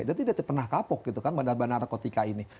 dia tidak pernah kapok bandar bandar narkotika ini